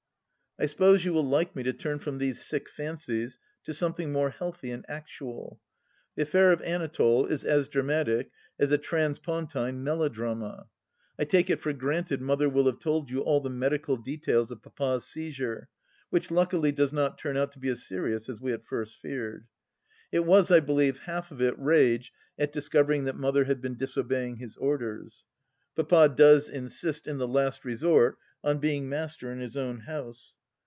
..." I suppose you will like me to turn from these sick fancies to something more healthy and actual. The affair of Anatole is as dramatic as a transpontine melodrama ! I take it for granted Mother will have told you all the medical details of Papa's seizure, which luckily does not turn out to be as serious as we at first feared. It was, I believe, half of it rage at discovering that Mother had been disobeying his orders. Papa does insist, in the last resort, on being master in his own house.